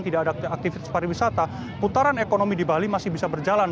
tidak ada aktivitas pariwisata putaran ekonomi di bali masih bisa berjalan